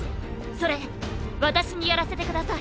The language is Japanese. それ私にやらせて下さい。